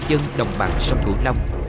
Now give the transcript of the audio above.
của đời sống cư dân đồng bằng sông cửu đông